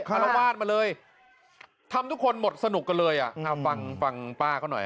อารวาสมาเลยทำทุกคนหมดสนุกกันเลยอ่ะเอาฟังฟังป้าเขาหน่อย